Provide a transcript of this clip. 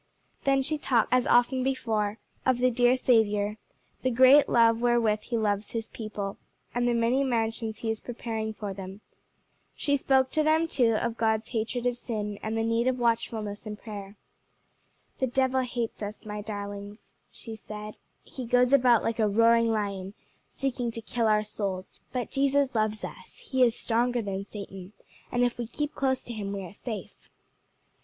Then she talked to them, as often before, of the dear Saviour the great love wherewith he loves his people, and the many mansions he is preparing for them. She spoke to them, too, of God's hatred of sin, and the need of watchfulness and prayer. "The devil hates us, my darlings," she said; "he goes about like a roaring lion, seeking to kill our souls; but Jesus loves us, he is stronger than Satan, and if we keep close to him we are safe."